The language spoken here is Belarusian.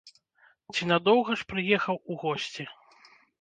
Ці надоўга ж прыехаў у госці?